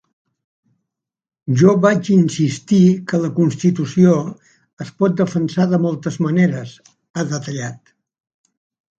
Jo vaig insistir que la constitució es pot defensar de moltes maneres, ha detallat.